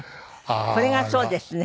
これがそうですね。